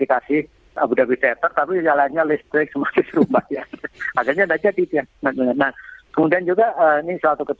kan nuntut juga gitu ya